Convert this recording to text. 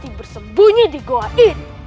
kita bersembunyi di gua ini